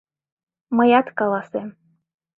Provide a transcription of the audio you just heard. Мыят каласем.